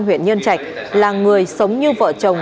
huyện nhân trạch là người sống như vợ chồng